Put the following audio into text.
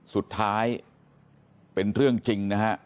สุดท้ายเป็นเรื่องจริงนะฮะ